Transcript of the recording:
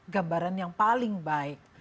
gambaran yang paling baik